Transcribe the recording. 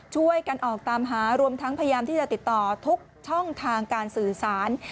ช่วยกันออกตามหารวมทั้งพยายามที่จะติดต่อทุกช่องทางการสื่อสาร